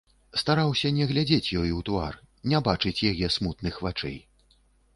Стараўся не глядзець ёй у твар, не бачыць яе смутных вачэй.